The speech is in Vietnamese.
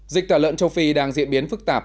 dịch tả lợn châu phi đang diễn biến phức tạp